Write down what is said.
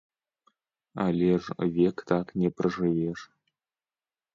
Але ж век так не пражывеш.